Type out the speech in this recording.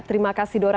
terima kasih dora